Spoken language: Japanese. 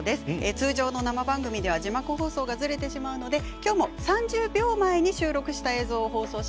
通常の生放送では字幕放送がずれてしまうのできょうも３０秒前に収録した映像を放送し